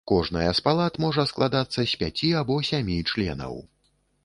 Кожная з палат можа складацца з пяці або сямі членаў.